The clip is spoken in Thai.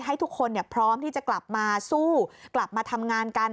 ให้ทุกคนพร้อมที่จะกลับมาสู้กลับมาทำงานกัน